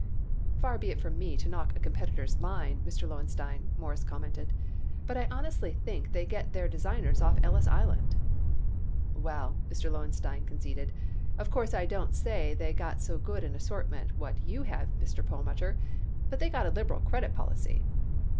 "Far be it from me to knock a competitor's line, Mr. Lowenstein," Morris commented, "but I honestly think they get their designers off of Ellis Island." "Well," Mr. Lowenstein conceded, "of course I don't say they got so good an assortment what you have, Mr. Perlmutter, but they got a liberal credit policy."